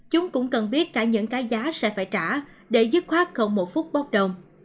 chúng cũng cần biết cả những cái giá sẽ phải trả để dứt khoát không một phút bóp đồng